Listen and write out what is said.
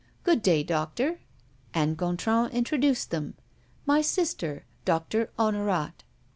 "Good day, doctor." And Gontran introduced them: "My sister Doctor Honorat."